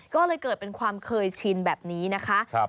ก็เลยเกิดเป็นความเคยชินแบบนี้นะคะ